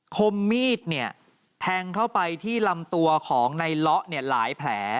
คมมีดเนี่ยแทงเข้าไปที่ลำตัวของในเลาะเนี่ยหลายแผล